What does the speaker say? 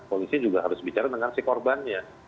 polisi juga harus bicara dengan si korbannya